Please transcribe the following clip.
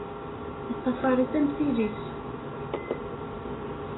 Yeṭṭafaṛ-it am tili-s!